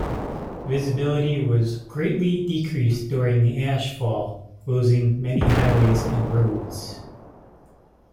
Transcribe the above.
Visibility was greatly decreased during the ash fall, closing many highways and roads.